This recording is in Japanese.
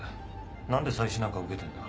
何で再試なんか受けてんだ？